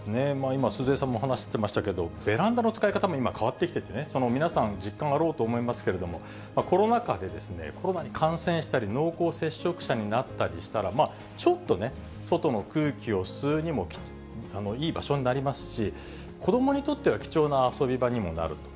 今、鈴江さんも話していましたけど、ベランダの使い方も今、変わってきていましてね、皆さん、実感あろうと思いますけれども、コロナ禍で、コロナに感染したり、濃厚接触者になったりしたら、ちょっとね、外の空気を吸うにもいい場所になりますし、子どもにとっては貴重な遊び場にもなると。